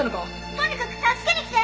とにかく助けに来て！